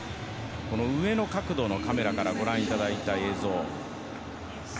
上の角度のカメラからご覧いただいた映像です。